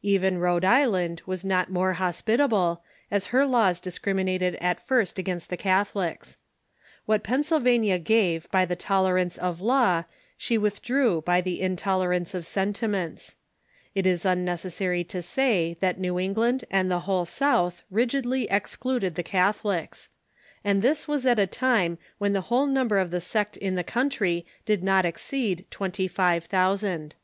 Even Rhode Island was not more hospitable, as her laws dis criminated at first against the Catholics. What Pennsylvania gave by the tolerance of law slie Avithdrew by the intolerance 540 THE CHURCH IN THE UNITED STATES of sentiments. It is unnecessary to sa,y that New England and the whole South rigidly excluded the Catholics, And this was at a time when the whole number of the sect in the country did not exceed twenty five thousand.